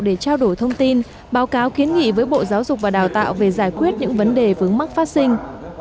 để trao đổi thông tin báo cáo kiến nghị với bộ giáo dục và đào tạo về giải quyết những vấn đề vướng mắc phát sinh